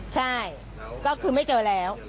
ใช่ก็คือไม่เจอแล้ว